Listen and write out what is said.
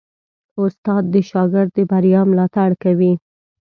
استاد د شاګرد د بریا ملاتړ کوي.